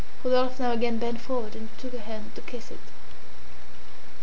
Rodolphe now and again bent forward and took her hand to kiss it.